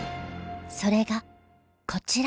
それがこちら！